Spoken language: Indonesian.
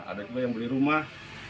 ada juga yang beli rumah